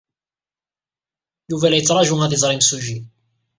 Yuba la yettṛaju ad iẓer imsujji.